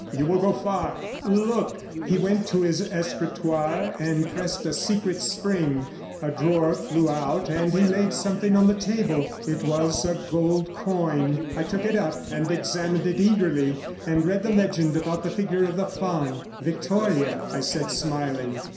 You will go far. Look.' He went to his escritoire and pressed a secret spring; a drawer flew out, and he laid something on the table. It was a gold coin; I took it up and examined it eagerly, and read the legend about the figure of the faun. 'Victoria,' I said, smiling.